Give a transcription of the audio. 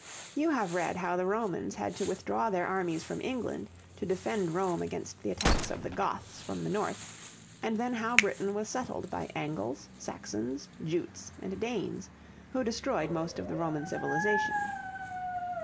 You have read how the Romans had to withdraw their armies from England to defend Rome against the attacks of the Goths from the north, and then how Britain was settled by Angles, Saxons, Jutes, and Danes, who destroyed most of the Roman civilization.